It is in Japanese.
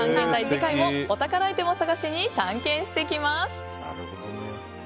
次回もお宝アイテムを探しに探検してきます。